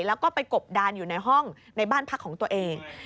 แล้วก็ไปกบดานอยู่ในห้องในบ้านพักของตัวเอง